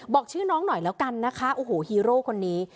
บอกชื่อน้องหน่อยแล้วกันนะคะโอ้โหฮีโร่คนนี้